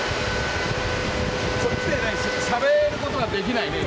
しゃべることができないね。